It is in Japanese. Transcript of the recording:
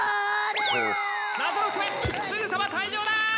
謎の覆面すぐさま退場だ！